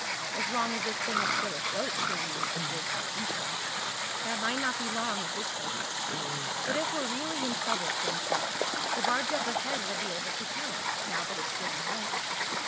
"As long as this thing is still afloat," Sandy repeated, and shrugged. "That might not be long at this rate." "But if we're really in trouble," Ken said, "the barge up ahead will be able to tell—now that it's getting light."